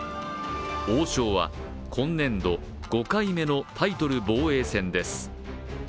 王将は今年度、５回目のタイトル防衛戦です。